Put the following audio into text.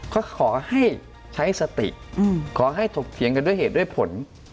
ก็ขอให้ใช้สติขอให้ถกเถียงกันด้วยเหตุด้วยผล